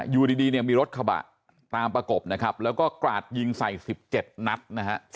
อยู่ดีเนี่ยมีรถกระบะตามประกบนะครับแล้วก็กราดยิงใส่๑๗นัดนะฮะ